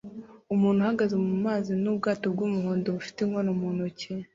Umuntu uhagaze mumazi nubwato bwumuhondo bufite inkono mu ntoki